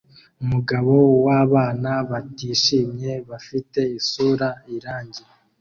Umugabo wabana batishimye bafite isura irangi